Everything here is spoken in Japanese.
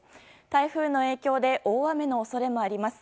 台風の影響で大雨の恐れもあります。